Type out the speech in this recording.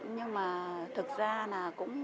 nhưng mà thực ra là cũng